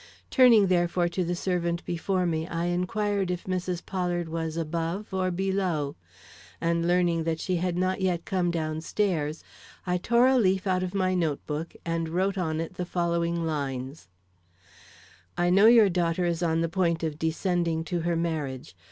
Turning, therefore to the servant before me I inquired if Mrs. Pollard was above or below; and learning that she had not yet come down stairs, I tore a leaf out of my note book and wrote on it the following lines: I know your daughter is on the point of descending to her marriage.